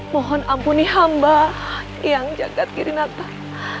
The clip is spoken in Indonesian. mohon ampuni hamba yang jagat kiri natal